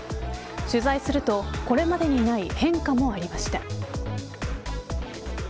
取材すると、これまでにない変化もありました。